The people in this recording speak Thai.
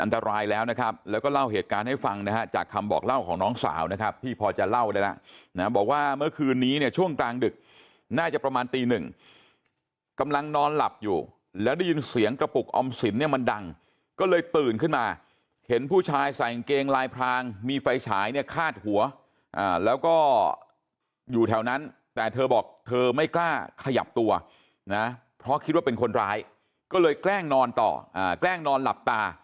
มันอันตรายแล้วนะครับแล้วก็เล่าเหตุการณ์ให้ฟังนะครับจากคำบอกเล่าของน้องสาวนะครับที่พอจะเล่าได้นะบอกว่าเมื่อคืนนี้เนี่ยช่วงกลางดึกน่าจะประมาณตี๑กำลังนอนหลับอยู่แล้วได้ยินเสียงกระปุกออมสินเนี่ยมันดังก็เลยตื่นขึ้นมาเห็นผู้ชายใส่อังเกงลายพรางมีไฟฉายเนี่ยคาดหัวแล้วก็อยู่แถวนั้นแต่เธอบ